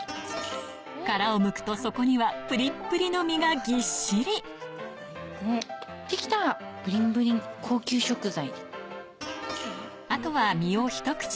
殻をむくとそこにはプリップリの身がぎっしりできたブリンブリン高級食材。